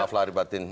maaf lah ribatin